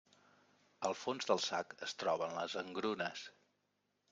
Al fons del sac es troben les engrunes.